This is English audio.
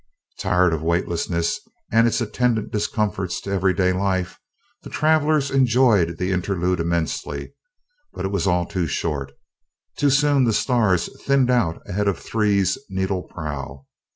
Tired of weightlessness and its attendant discomforts to everyday life, the travelers enjoyed the interlude immensely, but it was all too short too soon the stars thinned out ahead of "Three's" needle prow.